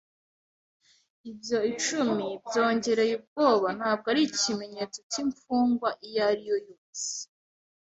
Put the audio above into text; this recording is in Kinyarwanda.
ibyo icumi byongereye ubwoba, ntabwo ari ikimenyetso cyimfungwa iyo ari yo yose.